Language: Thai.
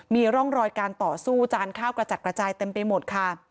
มีร่องรอยการต่อสู้จานข้าวกระจัดกระจายเต็มไปหมดค่ะ